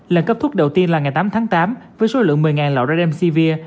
lần cấp thuốc đầu tiên là ngày tám tháng tám với số lượng một mươi lọ redemsevere